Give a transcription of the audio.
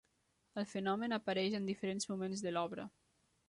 El fenomen apareix en diferents moments de l'obra.